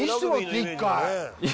１回。